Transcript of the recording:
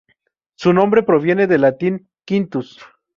Su nombre proviene del latín "quintus".